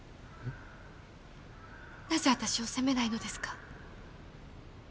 なぜ私を責めないのですか？